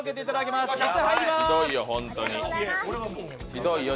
ひどいよ。